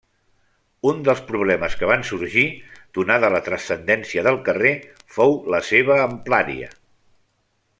Un dels problemes que van sorgir, donada la transcendència del carrer, fou la seva amplària.